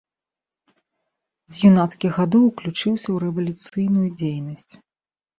З юнацкіх гадоў уключыўся ў рэвалюцыйную дзейнасць.